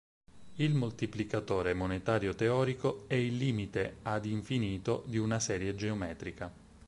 Il moltiplicatore monetario teorico è il limite ad infinito di una serie geometrica.